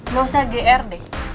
gak usah gr deh